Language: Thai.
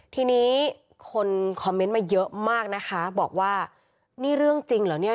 ทีนี้คนคอมเมนต์มาเยอะมากนะคะบอกว่านี่เรื่องจริงเหรอเนี่ย